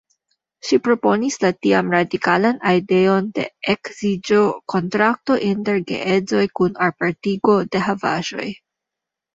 Ŝi proponis la tiam radikalan ideon de ekzidĝo-kontrakto inter geedzoj kun apartigo de havaĵoj.